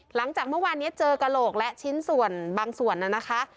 หลังจากเมื่อวานนี้เจอกระโหลกและชิ้นส่วนบางส่วนน่ะนะคะ